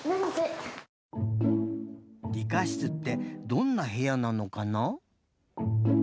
理科室ってどんなへやなのかな？